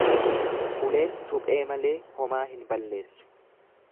Uleen suphee malee homaa hin balleessu.